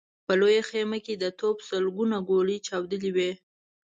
په لويه خيمه کې د توپ سلګونه ګولۍ چاودلې وې.